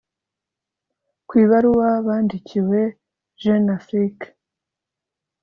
Ku ibaruwa bandikiwe JeuneAfrique